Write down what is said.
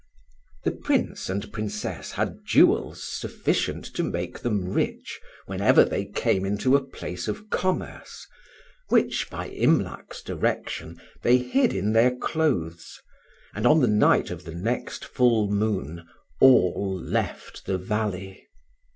THE Prince and Princess had jewels sufficient to make them rich whenever they came into a place of commerce, which, by Imlac's direction, they hid in their clothes, and on the night of the next full moon all left the valley.